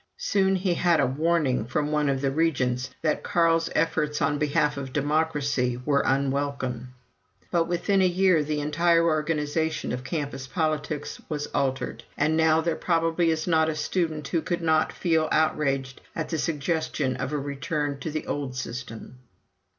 Soon we had a "warning" from one of the Regents that Carl's efforts on behalf of "democracy" were unwelcome. But within a year the entire organization of campus politics was altered, and now there probably is not a student who would not feel outraged at the suggestion of a return to the old system.